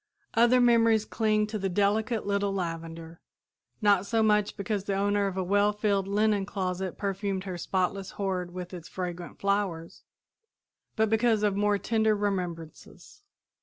Other memories cling to the delicate little lavender, not so much because the owner of a well filled linen closet perfumed her spotless hoard with its fragrant flowers, but because of more tender remembrances.